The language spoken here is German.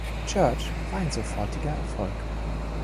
„Church“ war ein sofortiger Erfolg.